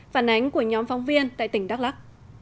phản ánh của nhóm phóng viên tại tỉnh đắk lắc